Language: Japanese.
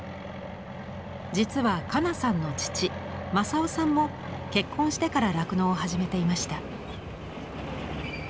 実は加奈さんの父昌男さんも結婚してから酪農を始めていました。